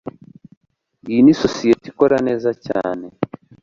Iyi ni sosiyete ikora neza cyane